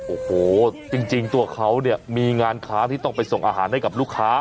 โอ้โหจริงตัวเขาเนี่ยมีงานค้างที่ต้องไปส่งอาหารให้กับลูกค้า